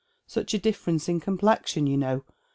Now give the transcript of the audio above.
Such a difference in complexion, you know.